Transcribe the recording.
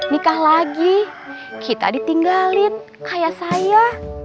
nikah lagi kita ditinggalin ayah saya